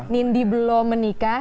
nindi belum menikah